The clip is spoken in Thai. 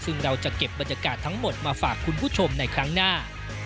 ซึ่งเราจะเก็บบรรยากาศทั้งหมดมาฝากคุณผู้ชมในครั้งหน้า